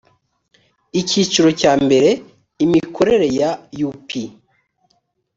icyiciro cya mbere imikorere ya u p